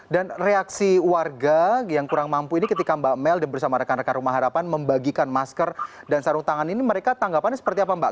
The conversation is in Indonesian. dan reaksi warga yang kurang mampu ini ketika mbak mel bersama rekan rekan rumah harapan membagikan masker dan sarung tangan ini mereka tanggapannya seperti apa mbak